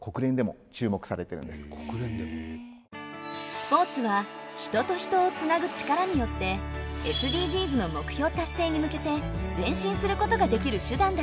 スポーツは人と人をつなぐ力によってＳＤＧｓの目標達成に向けて前進することができる手段だといいます。